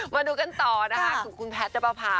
มาดูกันต่อนะคะกับคุณแพทย์นับประพา